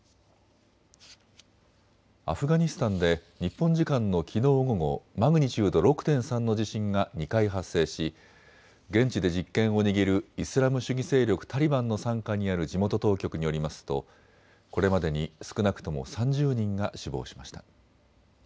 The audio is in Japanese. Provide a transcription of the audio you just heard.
アフガニスタンで日本時間のきのう午後、マグニチュード６．３の地震が２回発生し現地で実権を握るイスラム主義勢力タリバンの傘下にある地元当局によりますとこれまでに少なくとも３０人が死亡しました。